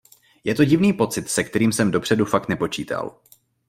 Je to divný pocit, se kterým jsem dopředu fakt nepočítal.